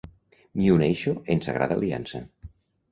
M'hi uneixo en sagrada aliança.